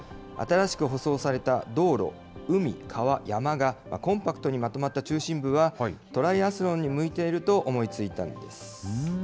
新しく舗装された道路、海・川・山がコンパクトにまとまった中心部はトライアスロンに向いていると思いついたんです。